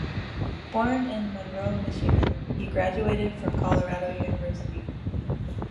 Born in Monroe, Michigan, he graduated from Colorado University.